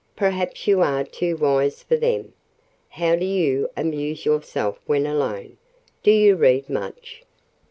"Perhaps you are too wise for them. How do you amuse yourself when alone—do you read much?"